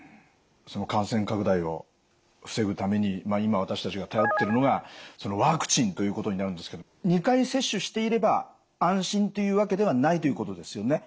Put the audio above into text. その感染拡大を防ぐために今私たちが頼ってるのがワクチンということになるんですけど２回接種していれば安心というわけではないということですよね？